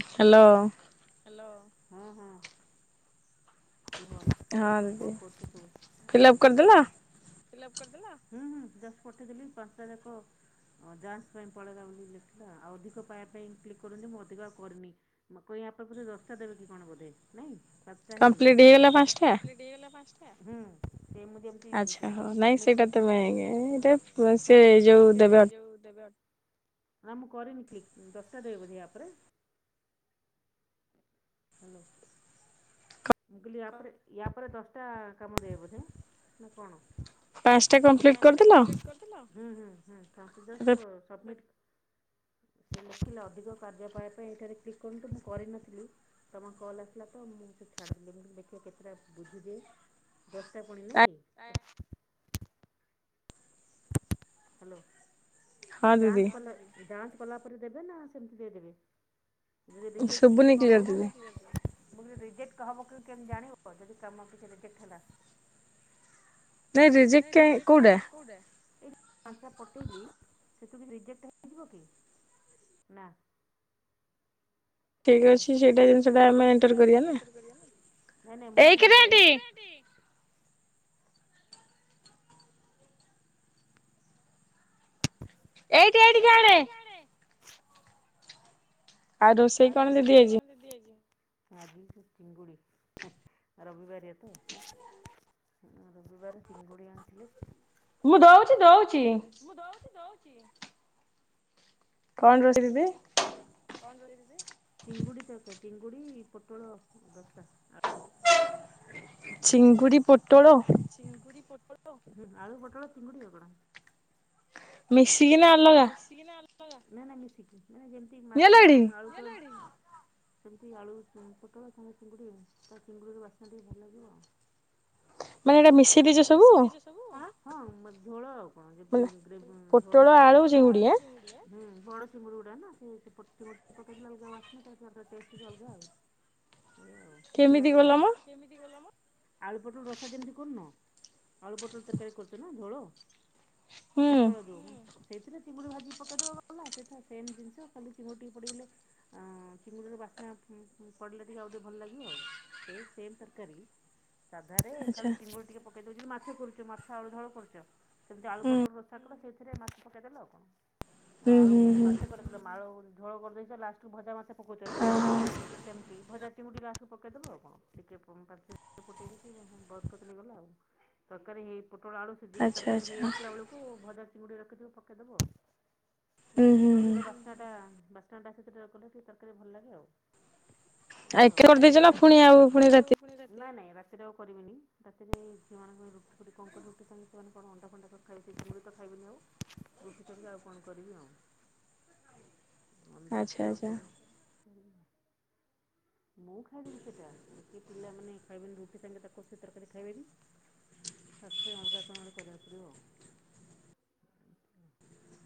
[inaudible] Hello hello ହଁ ହଁ ହଁ ଦିଦି ଫିଲ୍ଅପ କରିଦେଲ? ଫିଲ୍ଅପ କରିଦେଲ ହୁଁ ହୁଁ ପଠେଇଦେଲି ପାଞ୍ଚଟା ଯାକ ଯାଞ୍ଚ ପାଇଁ ପଳେଇଲା ବୋଲି ଲେଖିଲା ଆଉ ଅଧିକ ପାଇବା ପାଇଁ କ୍ଲିକ କରନ୍ତୁ ମୁଁ ଅଧିକ ଆଉ କରିନି ମୁ କହିଲି ୟା ପରେ ବଧେ ଦଶଟା ଦେଵେ କି କଣ ବୋଧେ ନାଇଁ ସାତଟା ହେଇଗଲା। ହେଇଗଲା ପାଞ୍ଚଟା? ହୁଁ ଦେଇ ମୁଁ ଯେମିତି ସବୁ ସମିଟ କ ନାଇଁ ସେଇଟା ତୁମେ ଇୟେ ତାପରେ ସିଏ ଯୋଉ ଦେବେ ଇଏ ହଁ ମୁଁ କରିନି କ୍ଲିକ୍ ଦଶଟା ଦେବେ ବୋଧେ ଆପରେ ହ୍ୟାଲୋ। ମୁଁ କିଲି ୟାପ ୟା ପରେ ଦଶଟା କାମ ଦେବେ ବୋଧେ ନା କଣ? ପାଞ୍ଚଟା କମ୍ପ୍ଲିଟ କରିଦେଲ ହୁଁ ହୁଁ ପଂସ୍ଟା ଜଷ୍ଟ ସବମିଟ ସେ ଲଖିଲେ ଅଧିକ କାର୍ଯ୍ୟ ପାଇବା ପାଇଁ ଏଇଠାରେ କ୍ଲିକ କରନ୍ତୁ ମୁଁ କରିନଥିଲି ତମ କଲ୍ ଆସିଲା ତ ମୁଁ ସେଠ ଦେଖିବା କେତେଟା ବୁଝିଦିଏ ଦଶଟା ପଣି ନା କି ହ୍ୟାଲୋ। ସେ ଯାଞ୍ଚ କଲ ଯାଞ୍ଚ କଲା ପରେ ଦେବେ ନା ସେମିତି ଦେଇଦେବେ ଯଦି ରିଯେକ୍ଟ ଫିଜେକ୍ଟ କଣ ହବ ରିଜେକ୍ଟ ହବ କି କେମିତି ଜାଣିବ ଯଦି କାମ କିଛି ରିଜେକ୍ଟ ହେଲା ନାଇଁ ରିଜେକ୍ଟ କାଇଁ କୋଉଟା ପାଞ୍ଚଟା ପଠେଇଲି ସେଥିରୁ କିଛି ରିଜେକ୍ଟ ହେଇଯିବ କି ନା ଠିକ ଅଛି ସେଇଟା ଜିନିଷ ଟା ଆମେ ଏଣ୍ଟର କରିବା ନା ଏଇ [unintelligible] ଏଇଠି ଏଇଠି କି ଆଣେ [inaudible] ଆଉ ରୋଷେଇ କଣ ଦିଦି ଆଜି? ଆଜି ଚିଙ୍ଗୁଡ଼ି ରବିବାରଆ ତ ରବିବାର ଚିଙ୍ଗୁଡ଼ି ଆଣିଥିଲେ ମୁଁ ଦଉଚି ଦଉଚି [unintelligible] କଣ ରୋସେଇ ଦିଦି? [unintelligible] ଚିଙ୍ଗୁଡି ତରକାରି। ଚିଙ୍ଗୁଡ଼ି ପୋଟଳ ରସା ଆଳୁ ଚିଙ୍ଗୁଡି ପୋଟଳ ଚିଙ୍ଗୁଡି ପୋଟଳ ଆଳୁ ପୋଟଳ ଚିଙ୍ଗୁଡି ଆଉ କଣ? ମିଶିକି ନା ଅଲଗା ନା ନା ମିଶିିକି ମାନେ ଯେମିତି ମାଛ ଆଳୁ ସେମିତି ଆଳୁ ପୋଟଳ ଚିଙ୍ଗୁଡ଼ି ତା ଚିଙ୍ଗୁଡ଼ିର ବାସ୍ନା ଟିକେ ଭଲ ଲାଗିବ ଆ ମାନେ ଏଇଟା ମିଶେଇ ଦେଇଚ ସବୁ ହଁ ମାନେ ଯେମିତି ଝୋଳ ଆଉ କଣ ଯେମତି ଗ୍ରେଭ ଝୋଳ ପୋଟଳ ଆଳୁ ଚିଙ୍ଗୁଡ଼ି ଆଁ ପଣସ ଚିଙ୍ଗୁଡ଼ି ଗୁଡା ନା ସେ ପଚି ପ ଅଲଗା ବାସ୍ନା ତା ପରେ ତା ଟେଷ୍ଟ ହିଁ ଅଲଗା ଆଉ ଏଇ ଆଉ ଭଲ ଲାଗେ ଆଉ କେମିତି କଲ ମ ଆଳୁ ପୋଟଳ ରସା ଯେମିତି କରୁନ ଆଳୁ ପୋଟଳ ତରକାରୀ କରୁଛ ନା ଝୋଳ ପୋଟଳ ଯଉ ମ ହୁଁ ସେଇଥିରେ ଚିଙ୍ଗୁଡ଼ି ଭାଜି ପକେଇଦେବା ଗଲା ସେଇଟା ସେମ୍ ଜିନିଷ ଖାଲି ଚିଙ୍ଗୁଡ଼ି ଟିକେ ପଡ଼ିଗଲେ ଚିଙ୍ଗୁଡ଼ିର ବାସ୍ନା ପଡ଼ିଲେ ଟିକେ ଆଉ ଟିକେ ଭଲ ଲାଗିବ ଆଉ ସେଇ ସେମ୍ ତରକାରୀ। ସାଧାରେ ଖାଲି ଚିଙ୍ଗୁଡି ଟିକେ ପ ମାଛ କରୁଛ ମାଛ ଆଳୁ ଝୋଳ କରୁଛ ସେମିତି ଆଳୁ ପଟଳ ରଷା କଲ ସେଇଥିରେ ମାଛ ଫକେଇ ଦେଲ ଆଉ କଣ? ଆଉ ଆଳୁ ମତେ ବରେ ରଖିଲ ମାଳ ହଉନି ଝୋଳ କରିଦେଇଚ ଲାଷ୍ଟ ଭଜା ମାଛ ପୁକଉଚ ନା ସେମ ଦି ଭଜା ଚିଙ୍ଗୁଡ଼ି ଲାଷ୍ଟ କୁ ପକେଇଦେବ ଆଉ କଣ ଟିକେ [unintelligible] ଫୋଟେଇ ଦେଇକି ବନ୍ଦ କରିଦେଲେ ହେଇ ଗଲା ଆଉ ତରକାରୀ ହେଇ ପୋଟୋଳ ଆଳୁ ସିଜି କି ତରକାରୀ ହେଇ ଆସିଲା ବେଳକୁ ଭଜା [unintelligible] କେତେ ପ ନା ନା ଚିଙ୍ଗୁଡିର ବସ୍ନାଟା ବାସ୍ନା ଟା ସେଥିରେ ରଗଲେ ଟିକେ ତରକାରୀ ଭଲ ଲାଗେ ଆଉ। ଏଇଆ ଆଉ ଆ ଏକାଥର କରିଦେଇଚ ନା ପୁଣି ଆଉ ପୁଣି ରାତିରେ ନାଇଁ ନାଇଁ ରାତିରେ ଆଉ କରିବିନି ରାତିରେ ଝିଅମାନଙ୍କ ରୁଟି ଫୁଟି କଣ କରି ରୁଟି ଥାଙ୍ଗେ ସେମାନେ କଣ ଅଣ୍ଡା ଫଣ୍ଡା ଖାଇବେ ସେ ଯେମଁ ତ ଖାଇବିନି ଆଉ ରୁଟି ସାଙ୍ଗେ ଆଉ କଣ କରିବି ଆଉ। ମୁଣ୍ଡାଚି ଆଉ କଣ? ମୁଁ ଖାଇଦେବି ସେଇଟା କି ପିଲାମାନେ ଖାଇବେନି ରୁଟି ସାଙ୍ଗେ ତାକୁ ସେ ତରକାରୀ ଖାଇବେନି ତ ସେଥି ପାଇଁ ଅଲଗା କଣ କରିବାକୁ ପଡ଼ିବ ଆଉ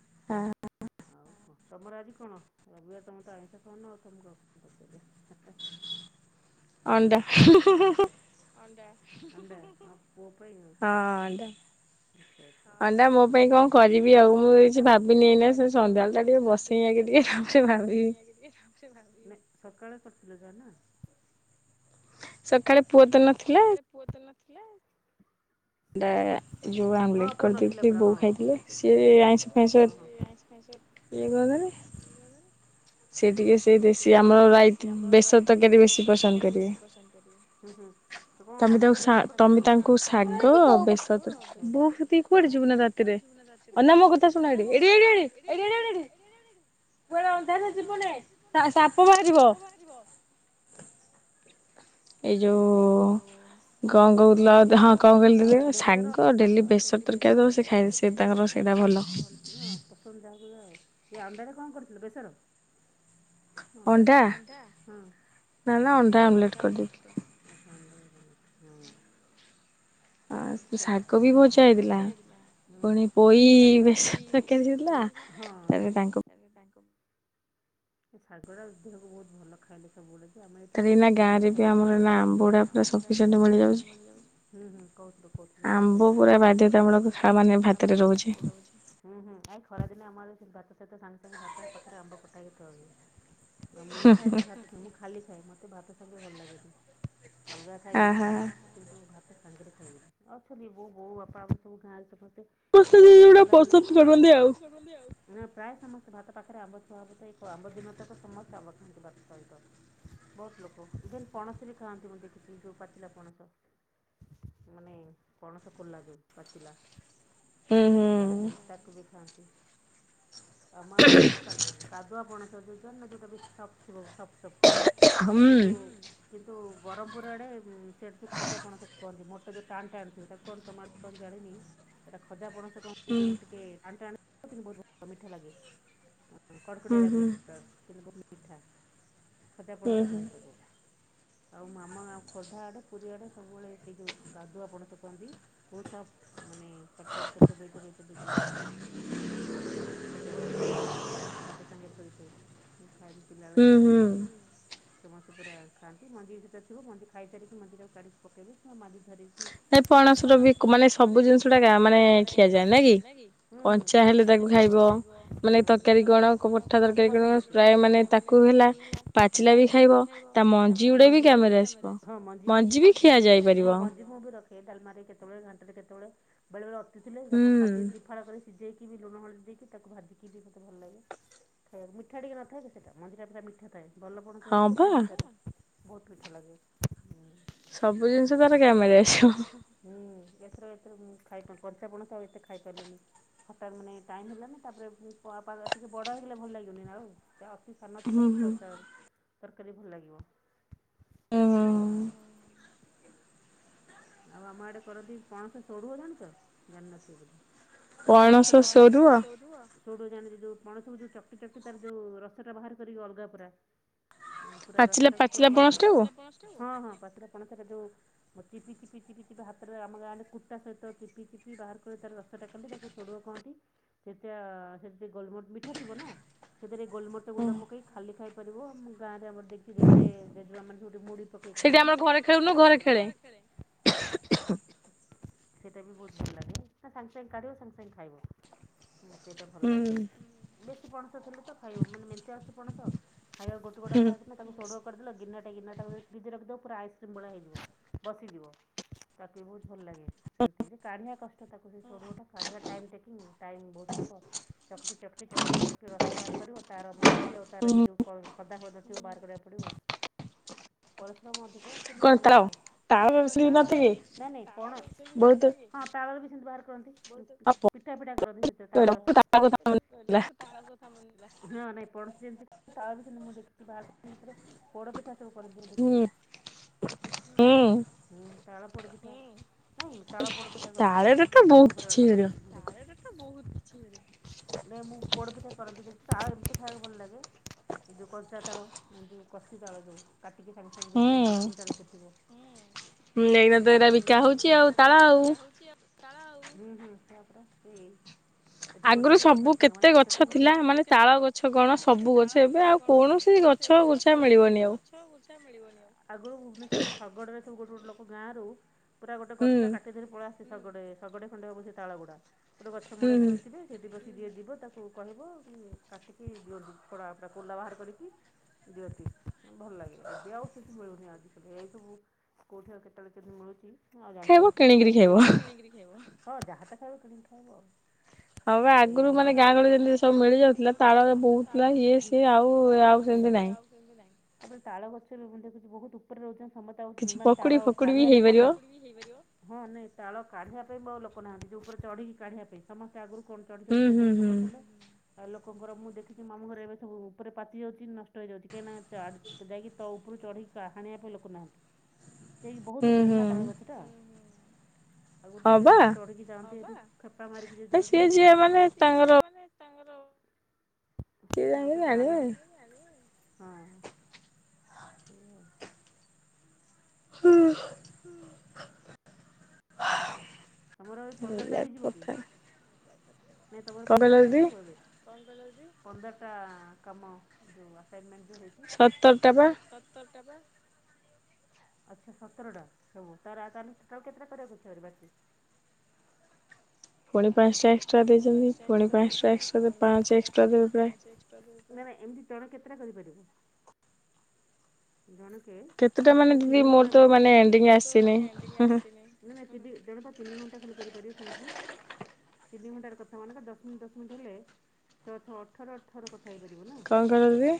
ହଁ ଆଉ କ ତମର ଆଜି କଣ ରବିବାର ତମର ତ ଆଇଁଷ ଖାଉନ କନ ଆଉ ତମକୁ କଣ ପଚାରିବା। ଅଣ୍ଡା [inaudible] ଅଣ୍ଡା ହଁ ପୁଅ ପାଇଁ ନୁହ ହଁ ଅଣ୍ଡା ମୋ ପାଇଁ କଣ କରିବି ଆଉ ମୁଁ କିଛି ଭାବିନି ନା ସନ୍ଧ୍ୟାବେଳ ବସେଇି [unintelligible] ଟିକେ ତାପରେ ଭାବିବି ସକାଳେ କରିଥିଲେ ଯା ନା [inaudible] ସକାଳେ ପୁଅ ତ ନଥିଲା। ଣ୍ଡା ଯେଉଁ ଆମ୍ଲେଟ୍ କରିଦେଇଥିଲି ବୋଉ ଖାଇଥିଲେ। ସିଏ ଆଇଁଷ ଫାଇଁଷ ଏ [unintelligible] ସେ ଟିକେ ସେ ବେଶୀ ଆମର ରାଇତ, ବେସର ତରକାରୀ ବେଶୀ ପସନ୍ଦ କରିବେ। ତମେ ତାକୁ ତମେ ତାଙ୍କୁ ଶାଗ ଆ ବେସର ତରକା ବୋଉ କତିକି କୁଆଡେ ଯିବୁ ନା ରାତିରେ ଅନା ମୋ କଥା ଶୁଣ ଆଡେ ଏଡେ-ଏଡେ-ଏଡେ-ଏଡେ-ଏଡେ କୁଆଡେ ଅନ୍ଧାରରେ ସା-ସାପ ବାହାରିବ। ଏଇ ଯୋଉ କଁ କହୁଥିଲ ଏବେ, ହଁ କଁ କହିଲ ଦିଦି ଶାଗ ଡେଲି ବେସର ତରକାରୀ ଦବ ସେ ଖାଇବେ, ସେ ତାଙ୍କର ସେଇଟା ଭଲ। ସେ ଅଣ୍ଡାରେ କଣ କରୁଥିଲ ବେସର? ଅଣ୍ଡା ନା ନା ଅଣ୍ଡା ଆମଲେଟ୍। ହ ଶାଗ ବି ଭଜା ହେଇଥିଲା ପୁଣି ପୋଇ ବେଶର ତରକାରୀ ହେଇଥିଲା। ତାପରେ ତାଙ୍କୁ ଏ ଶାଗଡା ଦେହକୁ ବହୁତ ଭଲ ଖାଇଲେ ସବୁବେଳେ ତାହାଲେ ଏଇନା ଗାଁ ରେ ବି ହୁଁ ହୁଁ ଆମର କହୁଥିଲ କହୁଥିଲ ବହୁତ୍ ଆମ୍ବ ଉଁ ହୁଁ। ଏ ଖରା ଦିନେ ଆମ ଆଡେ ଭାତ ସହିତ ସାଙ୍ଗେ ସାଙ୍ଗେ ଭାତ ପାଖରେ ଆମ୍ବ କଟା ହେଇକି ଥୁଆ ହୁଏ। ନା ମୁଁ ଖାଏନି ଭାତ ମୁଁ ଖାଲି ଖାଏ ମତେ ଭାତ ସାଙ୍ଗେ ଭଲ ଲାଗେ। ଅଲଗା ଖାଇବି କିନ୍ତୁ ଭାତ। ଅଛନ୍ତି ବୋଉ ବୋଉ ବାପା ଆମର ସବୁ ଗାଁରେ। ଖାଇବା ବଢା ହେଲା ମାନେ କର ଆ ପ୍ରାୟ ସମସ୍ତେ ଭାତ ପାଖରେ ଆମ୍ବ ଖୁଆବଥା ଏକ ଆମ୍ବ ଦିନ ତକ ସମସ୍ତେ ଆମ୍ବ ଖାଆନ୍ତି ଭାତ ସହିତ ବହୁତ ଲୋକ ଇଭେନ୍ ପଣସ ବି ଖାଆନ୍ତି ମୁଁ ଦେଖଛିି। ଯେଉ ପାଚିଲା ପଣସ ମାନେ ପଣସ କୋଲା ଯେଉଁ ପାଚିଲା। ହୁଁ ହୁଁ। ଆମ ଆଡେ କା-କାଦୁଆ ପଣ। ଯୋଟା ବେଶ ସଥ। ହୁଁ। କିନ୍ତୁ ବରହ୍ମପୁର ଆଡେ ସିଆଡେ ସବୁ ଖଜା ପଣସ କୁହନ୍ତି। [unintelligible] ଏଟା ଖଜା ପଣସ ିଟିକେଣ୍ କିନ୍ତୁ ବହୁତ ଭଲ ମିଠା ଲାଗେ। କଡ଼କୁଡିଆ ରାାଗ କିନ୍ତ ପିଠା। ଖଜା ପଣସ କୁହନ୍ତି ତାକୁ। ଆଉ ମାମା ଆଉ ଖୋର୍ଦ୍ଧା ଆଡେ ପୁରୀ ଆଡେ ସବୁବେଳେ ସେଇ ଯୋଉ କାଦୁ ଆପଣ ସେ କନ୍ତି ବହୁତ ସଫ୍ଟ ମାନେ ପାଟିରେ ଚୋବେଇଥୋବେଇ ଚୋବେଇ ଚୋବେଇ ବାହାର କର ସେଇଟା ବି ଲୋକ ଖାଆନ୍ତି ଭାତ ସାଙ୍ଗେ ଥୋଇଥୋଇ ହୁଁ ହୁଁ। ସମସ୍ତପୁର ଆ। ଖାଆନ୍ତି ମଞ୍ଜି ଭିତରେ ଥିବମଞ୍ଜି ଖାଇସାରିକି ମଞ୍ଜିଟାକୁ କାଢିକି ପକେଇଲେ [unintelligible] ହେ ପଣସର ବି ମାନେ ସବୁ ଜିନିଷଉଡା କା ମାନେ ଖିଆଯାଏ। ନାଁ କି କଞ୍ଚା ହେଲେ ଖାଇବ ମାନେ ତରକାରୀ କଣ ମତେ ପସନ୍ଦ ସିଏ। ମାନେ ପ୍ରାୟ ତାକୁ ହେଲା ପାଚିଲା ବି ଖାଇବ। ମଞ୍ଜିଉଡ଼ା ବି କାମରେ ଆସିବ। ମଞ୍ଜି ବି ଖିଆଯାଇ ପାରିବ। ଏ ଡାଲମାରେ କେତୋଳେ ଘାଣ୍ଟରେ କେତୋଳେ ବଳେ ବେଳେ ଅ ତି ଥିଲେ ତାକୁ ଖାଲି ଦିଫାଳ କରି ସିଝେଇକି କି ବି ଲୁଣ ହଳଦୀ ଦେଇକି ତାକୁ ଭାଜିକି ବି ମତେ ଭଲ ଲାଗେ ଖାଇବାକୁ। ମିଠା ଟିକେ ନଥାଏ କି ସେଟା ମଞ୍ଜିଟା ପୁରା ମିଠା ଥାଏ। ଭଲ ପଣସ ହେଇଥିଲେ [unintelligible] ବୋହୁତ ମିିଠା ଲାଗେ। ହୁଁ ସବୁ ଜିନିଷ ତାର କାମରେ ଆସିବ। ହୁଁ। ଏଥର ଏଥିରେ ମୁଁ ଖାଇ ପ କଞ୍ଚାପଣସ ଆଉ ଏତେ ଖାଇପାରିଲନି। ହଠାତ୍ ମାନେ ଟାଇମ ହେଲାନି। ତାପରେ ଉଁ ପ ପାଗ ଟିକେ ବଡ଼ ହେଇଗଲେ ଭଲ ଲାଗିବନି ଆଉ। ତା ଅତି ସାନ ଥିଲେ ହିଁ ପ୍ରଚାଳନ ତରକାରୀ ଭଲ ଲାଗିବ। ଆଇ ହ [inaudible] ଆଉ ଆମ ଆଡ଼େ କରନ୍ତି ପଣସ ସୋଢୁଅ ଜାଣିଚ। ଜାଣିନଥିବ ବୋଧେ। ଯୋଉ ପଣସଟା ପଣସ ସୋରୁଅ। ସୋଡ଼ୁଅ ଜାଣିନ କି ଯୋଉ ପଣସକୁ ଯୋଉ ଚକଟି ଚକଟି ତାର ଯୋଉ ରସଟା ବାହାର କରିକି ଅଲଗା ପୁରା। ଅଁ ପୁରା ରସଟାକୁ ପୁରା ପାଚିଲା ପଣସଟାକୁ ହଁ ହଁ। ପାଟର ପଣସଟା ଯୋଉ ଚିପି ଚିପି ଚିପି ଚିପି ହାତରେ ଆମ ଗାଁରେ କୁଟା ସହିତ ଚିପି ଚିପି ବାହାର କରି ତାର ରସଟା ଟାକନ୍ତି ତାକୁ ସୋଡ଼ୁଅ କହନ୍ତି। ଯେତେ ସେଟି ଟିକେ ଗୋଲମର ମିଠା ଥିବ ନାଁ। ସେଥିରେ ଗୋଲମରିଚ ଗୁଣ୍ଡ ପକେଇ ଖାଲି ଖାଇ ପାରିବ ଆମ ଗାଁରେ ଆମର ଦେଖି ଜେଜେ ଜେଜେମାମାନେ ଯୋଉଠି ମୁଢ଼ି ପକେଇ ଖାନ୍ତି ସେଠି ଆମର ଘରେ ଖେଳୁନୁ ଘରେ ଖେଳେ। ସେଇଟା ବି ବୋହୁତ ଭଲ ଲାଗେ। ତା ସାଙ୍ଗେ ସାଙ୍ଗେ କାଢ଼ିବ ସାଙ୍ଗେ ସାଙ୍ଗେ ଖାଇବ। ହୁଁ ସେଇଟା ଭଲ ଲାଗେ। ବେଶୀ ପଣ ତ ଥିଲେ ତ ଖାଇବ। ମାନେ ମେଞ୍ଚେ ଅଛି ପଣସ ଖାଇବା ଗୋଟେ ପଟେ ଖାଉଥିଲା ତାଙ୍କୁ ସୋଢ଼ୁଅ କରଦେଲ ଗିନାଟା ଗିନାଟା ବୋ ଦେଇଥେଇ ରଖିଦବ ପୁରା ଆଇସ୍ କ୍ରିମ୍ ଭଳିଆ ହେଇଯିବ। ତାକ ବି ବହୁତ ଭଲ ଲାଗେ। ସେମିତି ଯେ କାଢିବା କଷ୍ଟ ତାକୁ ସୋଢୁଅ ତାକୁ ଟାଇମଟକି ଟାଇମ ବହୁତ ନବ। ଚକଟି ଚଟି ଚଟି ଚଟି ରସ ବାହାର କରିବ ତାର ମଞ୍ଜି ଆଉ ତାର ସେ ଯୋଉ ଖଦାଦ ଥିବ ବାହାର କରିବାକୁ ପଡିବ। ପରିଶ୍ରମ ଅଧିକ। ର କିନ୍ତୁ ଭଲ ଲାଗେ ଆଉ। କଣ ତାଳ? ନାଇଁ ନାଇଁ ପଣସ ତାଳରେ ସେମିତି ନ ଥାଏ କି? ହଁ ତାଳରେ ବି ଏ ସେମିତି ବାହାର କରନ୍ତି। ବୋହୁତୁ ପିଠା ଫିଠା କରନ୍ତି ସେଥିରେ, ତାଳର [unintelligible] କହିଲ ମୁଁ ତାଳ କଥା ମନେ ନା ହଁ ନାଇଁ ପଣ ଯେମତି ତାଳରେ ବି ସେମତି ମୁଁ ଦେଖଚି [unintelligible] ପୋଡ଼ ପିଠା ସବୁ ପରିଦିର ଦେଖଛି। [unintelligible] ହୁଁ ତାଳ ପୋଡ଼ ପିଠା। ନେଇଁ, ନାଇଁ ତାଳ ପୋଡ ପିଠା କରନ୍ତି ମୋ ମାମୁଁ ଘର ଆଡେ କରନ୍ତି, ମୁଁ ଦେଖିଚି, ତାଳରେ ତ ବହୁତ କିଛି ହେଇପାରିବ, ନାଇଁ ମୁଁ ପୋଡ଼ ପିଠା କରନ୍ତି ଦେଖି, ତାଳ ଏମିତି ଖାଇବାକୁ ଭଲ ଲାଗେ ଏ ଯୋଉ କଞ୍ଚା ତାଳ ଏ ଯୋଉ କଷି ତାଳ ଯୋଉ କା ଟିକି ସାଙ୍ଗ ସାଙ୍ଗେ ଯୋଉ ଦିଅନ୍ତି ତିନଟା ଲେଖେ ଥିବ। ହୁଁ। ହୁଁ ଏଇନା ତ ଏରା ବିକା ହଉଚି, ଆଉ ତାଳ ଆଉ। ତାଳ ଆଉ ହୁଁ ହୁଁ ସେୟା ପରା ସେଇ। ଏଠି ଗୋଟାକ ପଚାଶ ଟଙ୍କା ମାନେ ପଚାଶ [unintelligible] ଆଗରୁ ସବୁ କେତେ ଗଛ ଥିଲା ମାନେ ତାଳ ଗଛ କଣ ସବୁ ଗଛ ଏବେ ଆଉ କୌଣସି ଗଛ ବୁଛା ମିଳିବନି ଆଉ। ଆଗରୁ ଭୁବନେଶ୍ୱରରେ ଶଗଡରେ ଗୋଟେ ଗୋଟେ ଲୋକ ଗାଁ ରୁ ପୁରା ଗୋଟେ ଗଛର କାଠି ଧରି ପଳା ହୁଁ, ସେ ଶଗଡେ ଶଗଡେ ଖଣ୍ଡେ ହବ ସେ ତାଳ ଗୁଡା। ଗୋଟେ ଗଛ ମୂଳେ ଥୋଇଥିବେ ସେଠି ବସ ଯିଏ ଯିବ ତାକୁ କହିବ ଉଁ, କାଟିକି ଦିଅନ୍ତି ଛଡ଼ା ପୁରା କୋଲା ବାହାର କରିକି ଦିଅନ୍ତି ଭଲ ଲାଗେ ଏବେ ଆଉ ସେମିତି ମିଳୁନି ଆଜିକାଲି ଏଇ ସବୁ କୋଉଠି ଆଉ କେତେବେଳେ କେମିତି ମିଳୁଚି। ଆଉ ଜାଣିପାରୁନି ସେମତି ଆଉ ସେ ସେୟାକୁ କିଣିକିରି ଖାଇବ। ହଁ ଯାହା ତ ଖାଇବ କିଣିକି ଖାଇବ ଆଉ। ସେ ଆଇ ନ ଆଗରୁ ମାନେ ଗାଁ ଗହଳି ଯେମିତି ସବୁ ମିଳି ଯାଉଥିଲା ତାଳରେ ବୋହୁଥିଲା ଇଏ ସିଏ ଆଉ ଆଉ ସେମତି ନାଇଁ। ତାପରେ ତାଳ ଗଛ ରୁ ମୁଁ ଦେଖୁଚି ବହୁତ ଉପରେ ରହୁଚି ନା ସମ ମାନେ ତାଳ କାଢିଆ ଲୋକ କିଛି ପକୁଡି ଫକୁଡି ବି ହେଇପାରିବ ନା ହଁ ନାଇଁ ତାଳ କାଢ଼ିବା ପାଇଁ ପ- ଆଉ ଲୋକ ନାହାନ୍ତି, ଯୋଉ ଉପରେ ଚଢ଼ିକି କାଢ଼ିବା ପାଇଁ ସମସ୍ତେ ଆଗରୁ କଣ ଚଢ଼ି ଚଢ଼ି କେତଜଣ ଲୋକ ହୁଁ, ହୁଁ ହୁଁ, ଥିଲେ ଆଉ ଲୋ ଲୋକଙ୍କର ମୁଁ ଦେଖିଚି ମାମୁଁ ଘର ଏବେ ସବୁ ଉପରେ ପାଚି ଯାଉଚି, ନଷ୍ଟ ହେଇଯାଉଚି, କାହିଁକିନା ଚା-ଯାଇକି ତ ଉପରୁ ଚଢ଼ିକି ହାଣିବା ପାଇଁ ଲୋକ ନାହାନ୍ତି। ସେହି ବହୁତ ଉପରେ ନା ତାଳ ଗଛ ଟା ହୁଁ, ହୁଁ। ଆଗରୁ ଥିଲେ ଲୋକ ଚଢିକି ଯାଆନ୍ତି, ହଁ, ପା ଏଠି ଖେପା ମାରିକି ଯୋଉ ଯାଇକି ଉଁ, ସେ ଯେ ମାନେ ତାଙ୍କ ଆଉ [unintelligible] ଆଣିବ, [inaudible] ଆଣିବ ଆଉ। ହଁ। ହୁଁ। ଆଉ ତମର ଏବେ ପନ୍ଦରଟା ହେଇଯିବ କି? ନାଇଁ ତମର ପନ୍ଦରଟା ହେଇଯିବ ଏବେ? କଣ କହିଲ ଦିଦି ପନ୍ଦରଟା କାମ ଯଉ ଆସାଇନମେଣ୍ଟ। ସତର ଟା ବା। ଆଚ୍ଛା ସତରଟା ହବ ତାର ଆଉ ତାହଲେ ଟୋଟାଲ୍ କେତେଟା କରିବାକୁ ଅଛି? [unintelligible] [unintelligible] ପାଞ୍ଚଟା ଏକ୍ସଟ୍ରା ଦେଇଛନ୍ତି ପୁଣି ପାଞ୍ଚଟା ଏକ୍ସଟ୍ରା ଦେ ପାଞ୍ଚ ଏକ୍ସଟ୍ରା ଦେବେ ପା। ନା ନା ଏମିତି ତଣ କେତେଟା କରିପାରିବୁ? ଜଣ କେ ତିନି ଘଣ୍ଟା କରିପାରିବେ। ତିନି ଘଣ୍ଟାର କଥା ମାନେକ ଦଶ ମିନିଟ୍ ଦଶ ମିନିଟ୍ ହେଲେ ଛଅଛ ଅଠର ଅଠର କ। କଣ କରିବି?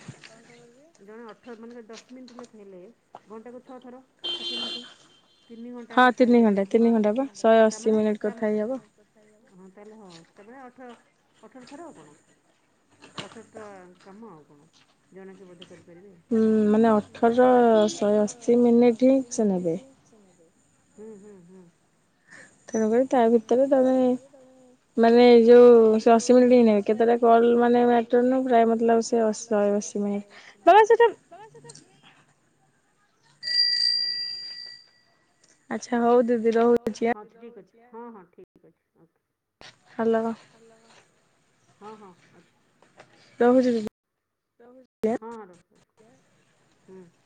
ଜଣେ ଅଠର ମାନେ ଦଶ ମିନିଟ ଲେଖେ ହେଲେ ଘଣ୍ଟାକୁ ଛଅ ଥର ଷାଠିଏ ମିନିଟ। ତିନି ଘଣ୍ଟା କଥା ହେଇପାରିବେ ବୋଲି, ହଁ ତିନି ଘଣ୍ଟା, ତା ମାନେ, ଶହେ ଅସି ମିନିଟ କଥା ହେଇ ହବ। ହଁ ତା ହେଲେ ହଁ, ସେବେଳେ ଅଠର-ଅଠର ଥର ଆଉ କଣ, ଅଠରଟା କାମ ଆଉ କଣ। ଜଣକେ ବୋଧେ କରି କରିବି ଆଉ, ମୁଁ ଭାବୁଚି। ଅଠରର ଶହେ ଅଶୀ ମିନିଟ୍ ହିଁ ସେ ନେବେ। [unintelligible] ହୁଁ-ହୁଁ-ହୁଁ। ତେଣୁକରି ତା ଭିତରେ ତମେ, ମାନେ ଯୋଉ ସେ ଅଶୀ ମିନିଟ ବି ନାଇଁ। କେତେଟା କଲ ମାନେ ମାଟର ନୂ, ପ୍ରାୟ ମତଲବ ସେ ଅସି ଶହେ ଅସି ମି ମାନେ ସେଟା ଆଛା ହଉ ଦିଦି, ହଁ ଠିକ ଅଛି, ରହୁଚି। ହଁ-ହଁ ଠିକ ଅଛି ହଁ ଓକେ। [unintelligible] ହାଲୋ। ହଁ-ହଁ, ଅଛି। ରଖୁଚି ଦିଦି? ରଖୁଚି? ହଁ ହଁ, ରଖ ରଖ। [unintelligible] ହୁଁ [unintelligible]